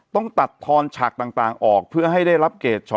ต้องตัดทอนฉากต่างออกเพื่อให้ได้รับเกต